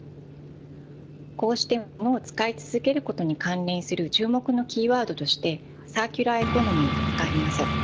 こうしてモノを使い続けることに関連する注目のキーワードとしてサーキュラーエコノミーがあります。